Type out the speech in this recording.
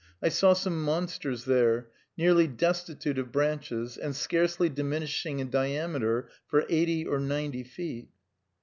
I saw some monsters there, nearly destitute of branches, and scarcely diminishing in diameter for eighty or ninety feet.